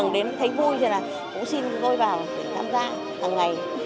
đến thấy vui thì là cũng xin tôi vào để tham gia hàng ngày